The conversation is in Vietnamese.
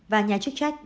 và nhà chức trách